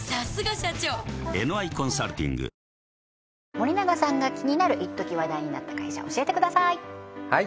森永さんが気になるいっとき話題になった会社教えてください！